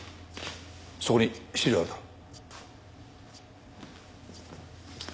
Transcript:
そこに資料あるだろ。